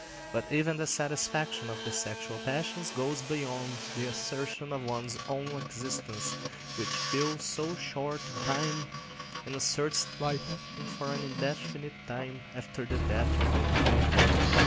But even the satisfaction of the sexual passions goes beyond the assertion of one's own existence, which fills so short a time, and asserts life for an indefinite time after the death of the individual.